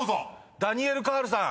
「ダニエル・カール」さん。